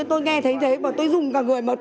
tôi nghe thấy thế và tôi rung cả người